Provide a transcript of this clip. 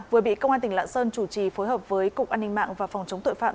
vừa bị công an tỉnh lạng sơn chủ trì phối hợp với cục an ninh mạng và phòng chống tội phạm